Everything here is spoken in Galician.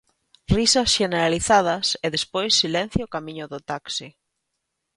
Risas xeneralizadas e despois silencio camiño do taxi.